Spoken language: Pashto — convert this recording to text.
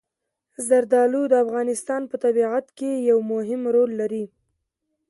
زردالو د افغانستان په طبیعت کې یو مهم رول لري.